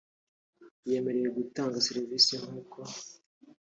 yemerewe gutanga serivisi nk uko